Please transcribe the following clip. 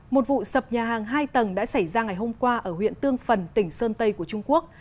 một vụ sập nhà hàng hai tầng đã xảy ra ngày hôm qua ở huyện tương phần tỉnh sơn tây của trung quốc